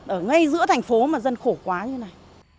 ở ngay giữa thành phố mà dân khổ quá như này